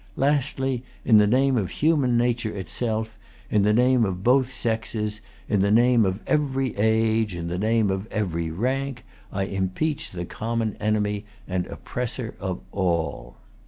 Lastly, in the name of human nature itself, in the name of both sexes, in the name of every age, in the name of every rank, I impeach the common enemy and oppressor of all."